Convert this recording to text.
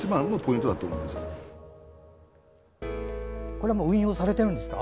これ運用されてるんですか。